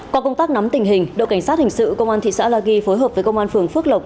qua công tác nắm tình hình đội cảnh sát hình sự công an thị xã la ghi phối hợp với công an phường phước lộc